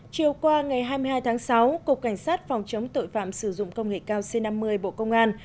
chiều qua ngày hai mươi hai tháng sáu cục cảnh sát phòng chống tội phạm sử dụng công nghệ cao c năm mươi bộ công an